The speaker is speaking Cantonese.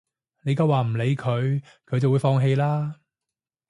你夠話唔理佢，佢就會放棄啦